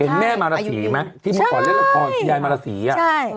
เห็นแม่มารสีไหมที่เมื่อก่อนเล่นละครที่ยายมารสีอ่ะ